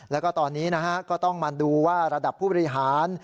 แล้วก็ตอนนี้นะฮะก็ต้องมาดูว่าระดับผู้บริหาร